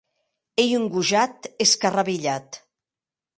Ei un gojat escarrabilhat.